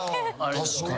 確かに。